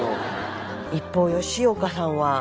一方吉岡さんは。